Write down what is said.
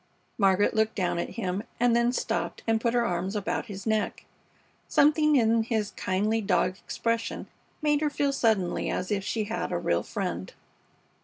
Margaret looked down at him, and then stooped and put her arms about his neck. Something in his kindly dog expression made her feel suddenly as if she had a real friend.